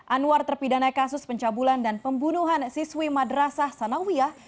anwar terpidana kasus pencabulan dan pembunuhan siswi madrasah sanawiyah